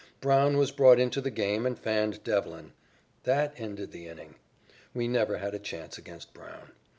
Brown was brought into the game and fanned Devlin. That ended the inning. We never had a chance against Brown.